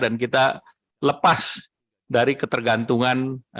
dan kita lepas dari ketergantungan